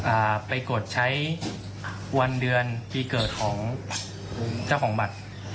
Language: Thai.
อ่าไปกดใช้วันเดือนปีเกิดของเจ้าของบัตร